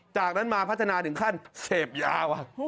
จากนั้นมาพัฒนาถึงขั้นเสพยาว